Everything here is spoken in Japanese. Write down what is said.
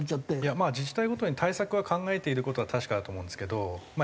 まあ自治体ごとに対策は考えている事は確かだと思うんですけどまあ